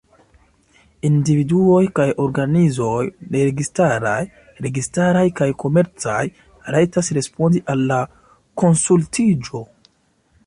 Individuoj kaj organizoj neregistaraj, registaraj kaj komercaj rajtas respondi al la konsultiĝo.